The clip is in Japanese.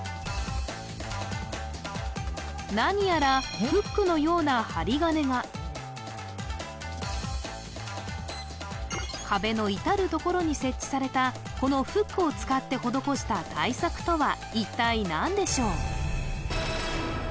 何やら壁の至る所に設置されたこのフックを使って施した対策とは一体何でしょう？